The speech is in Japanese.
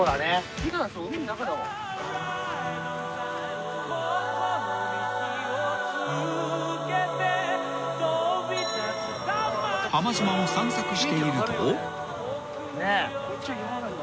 普段さ海の中だもん。［浜島を散策していると］こっち岩なんだ。